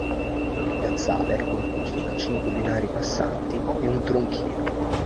Il piazzale è composto da cinque binari passanti e un tronchino.